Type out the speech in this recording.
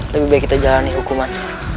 lebih baik kita jalani hukuman